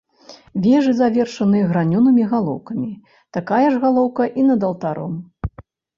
Вежы завершаны гранёнымі галоўкамі, такая ж галоўка і над алтаром.